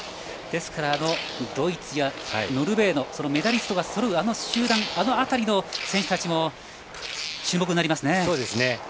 ですからドイツやノルウェーのメダリストがそろう、あの集団の選手たちも注目になります。